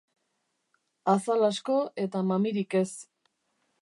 Azal asko eta mamirik ez.